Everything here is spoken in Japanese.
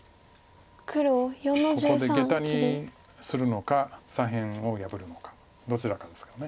ここでゲタにするのか左辺を破るのかどちらかですから。